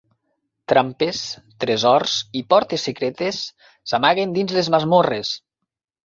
Trampes, tresors i portes secretes s'amaguen dins les masmorres.